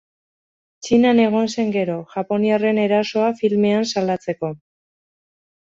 Txinan egon zen gero, japoniarren erasoa filmean salatzeko.